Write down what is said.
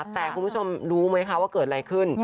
แต่คุณผู้ชมรู้ไหมคะว่าเกิดอะไรขึ้น